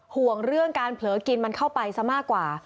ห่วงเรื่องการเผลอกินมันเข้าไปซะมากกว่า